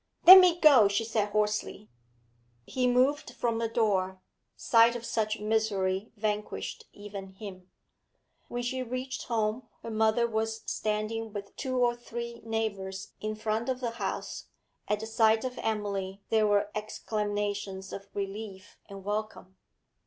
'Let me go!' she said hoarsely. He moved from the door; sight of such misery vanquished even him. When she reached home, her mother was standing with two or three neighbours in front of the house at the sight of Emily there were exclamations of relief and welcome.